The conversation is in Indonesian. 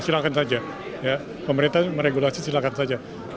silahkan saja pemerintah meregulasi silakan saja